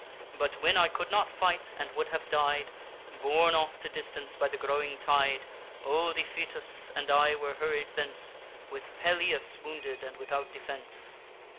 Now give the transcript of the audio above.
But, when I could not fight, and would have died, Borne off to distance by the growing tide, Old Iphitus and I were hurried thence, With Pelias wounded, and without defence.